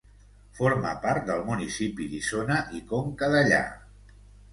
Forma part del municipi d'Isona i Conca Dellà.